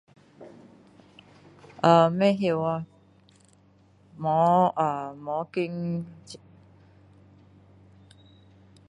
呃不知道吖没有呃没有跟